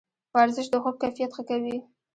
ورزش د خوب کیفیت ښه کوي.